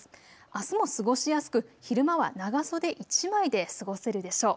あすも過ごしやすく昼間は長袖１枚で過ごせるでしょう。